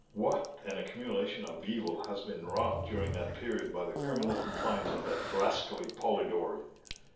What an accumulation of evil has been wrought during that period by the criminal compliance of that rascally Polidori!"